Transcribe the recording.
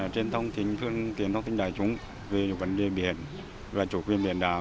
trên thông tin thông tin đại chúng về vấn đề biển và chủ quyền biển đảo